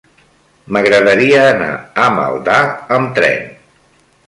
M'agradaria anar a Maldà amb tren.